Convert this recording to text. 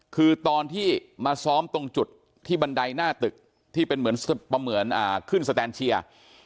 คือตอนที่มาซ้อมตรงจุดที่บันไดหน้าตึกที่เป็นเหมือนขึ้นสแตนเชียร์